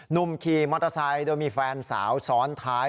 หนุ่มขี่มอเตอร์ไซค์โดยมีแฟนสาวซ้อนท้าย